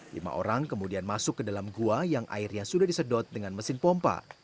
lima orang kemudian masuk ke dalam gua yang airnya sudah disedot dengan mesin pompa